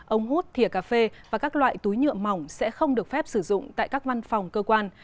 ống hút thìa cà phê và các loại túi nhựa mỏng sẽ không được phép sử dụng tại các văn phòng cơ quan